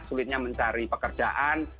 sulitnya mencari pekerjaan